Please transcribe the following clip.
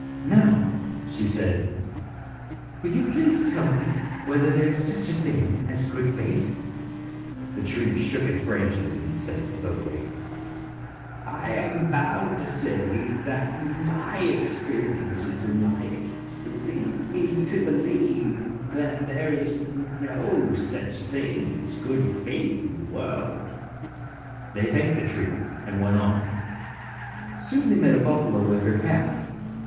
"Now," sihe said, "will you please tell me whether there is such a thing as good faith ?" The tree shook its branches and said slowly, " I am bound to say that my experiences in life lead me to believe that there is no such thing as good faith in the world." They thanked the tree, and went on. Soon they met a buffalo with her calf.